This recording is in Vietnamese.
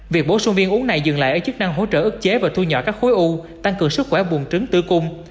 việc bổ sung viên u này dừng lại ở chức năng hỗ trợ ức chế và thu nhỏ các khối u tăng cường sức khỏe buồn trứng tư cung